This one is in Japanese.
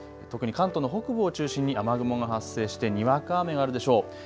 特に関東の北部を中心に雨雲が発生してにわか雨があるでしょう。